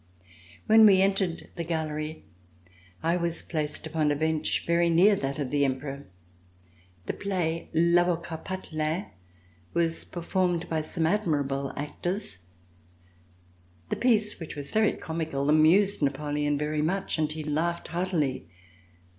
When we entered the gallery, I was placed upon a bench very near that of the Emperor. The play, "L'Avocat Patelin, " was performed by some admirable actors. The piece which was very comical amused Napoleon very much and he laughed heartily.